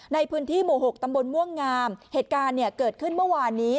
ในพื้นที่หมู่หกตำบลม่วงงามเหตุการณ์เนี่ยเกิดขึ้นเมื่อวานนี้